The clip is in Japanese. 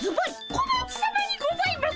小町さまにございます！